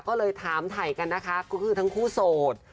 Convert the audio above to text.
ก็เลยถามถ่ายกันนะคะก็คือทั้งคู่โสด